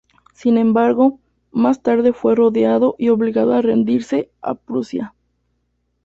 Sin embargo, más tarde fue rodeado y obligado a rendirse a Prusia.